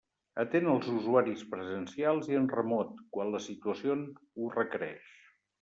Atén els usuaris presencials i en remot, quan la situació ho requereix.